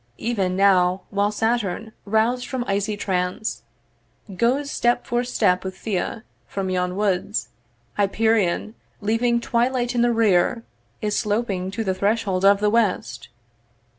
'Even now, while Saturn, roused from icy trance, 'Goes step for step with Thea from yon woods, 'Hyperion, leaving twilight in the rear, 'Is sloping to the threshold of the West.